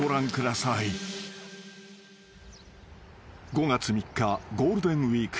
［５月３日ゴールデンウイーク］